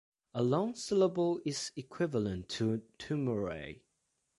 A long syllable is equivalent to two morae.